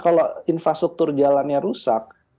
kalau infrastruktur jalannya rusak